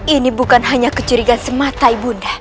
ini bukan hanya kecurigaan semata ibu nda